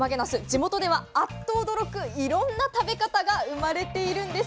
地元ではあっと驚くいろんな食べ方が生まれているんです。